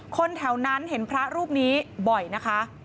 คนแถวนั้นเห็นพระรูปนี้บ่อยนะคะ